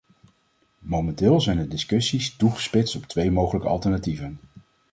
Momenteel zijn de discussies toegespitst op twee mogelijke alternatieven.